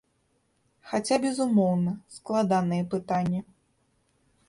Хаця, безумоўна, складанае пытанне.